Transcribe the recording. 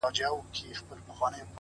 گراني ټوله شپه مي،